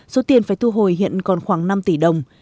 số tiền phải thu hồi hiện còn khoảng năm tỷ đồng